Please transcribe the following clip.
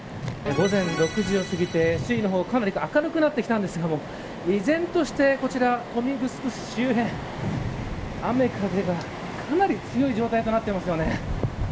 午前６時を過ぎて市内の方、明るくなってきたんですけど依然として豊見城市周辺は雨風がかなり強い状態になっています。